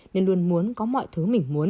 nên luôn muốn có mọi thứ